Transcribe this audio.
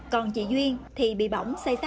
còn chị duyên thì bị bỏng xây xác nhẹ